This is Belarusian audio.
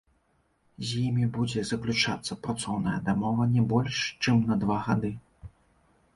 З імі будзе заключацца працоўная дамова не больш, чым на два гады.